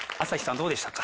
どうでしたか？